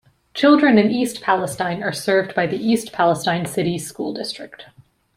Children in East Palestine are served by the East Palestine City School District.